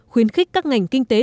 khuyến khích các ngành kinh tế